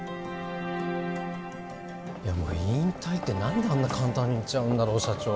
いやもう引退って何であんな簡単に言っちゃうんだろう社長